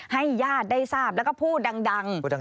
ญาติได้ทราบแล้วก็พูดดัง